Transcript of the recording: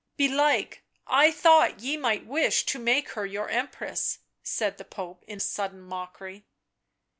" Belike I thought ye might wish to make her your Empress," said the Pope in sudden mockery.